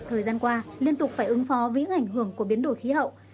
thời gian qua liên tục phải ứng phó với những ảnh hưởng của biến đổi khí hậu